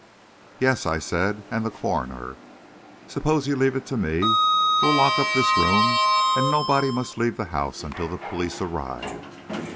"Yes," I said, "and the coroner. Suppose you leave it to me. We'll lock up this room, and nobody must leave the house until the police arrive."